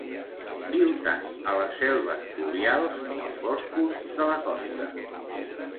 Viu tant a les selves pluvials com als boscos de la costa.